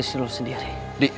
dia istri lu sendiri